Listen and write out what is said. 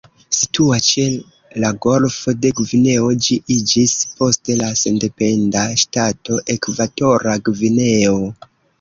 Situa ĉe la golfo de Gvineo, Ĝi iĝis poste la sendependa ŝtato Ekvatora Gvineo.